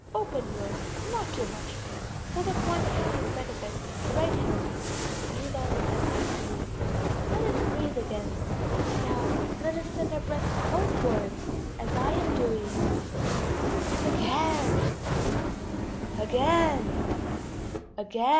Open yours. Not too much! Hold up one hand in front of it, the right hand. Breathe on it as I am doing. Let us breathe again; now let us send our breath outwards, as I am doing. Again ... again ... again.